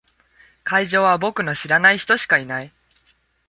会場は僕の知らない人しかいない。